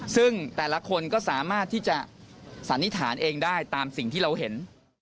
ซึ่งแต่ละคนก็สามารถที่จะสันนิษฐานเองได้ตามสิ่งที่เราเห็น